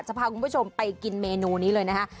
พาคุณผู้ชมไปกินเมนูนี้เลยนะคะ